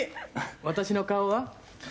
私の顔は？」